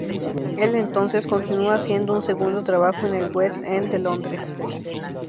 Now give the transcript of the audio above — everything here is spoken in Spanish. Él entonces continuó haciendo un segundo trabajo en el West End de Londres.